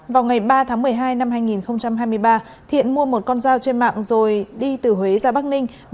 vào ngày ba tháng một mươi hai năm hai nghìn hai mươi ba thiện mua một con dao trên mạng rồi đi từ huế ra bắc ninh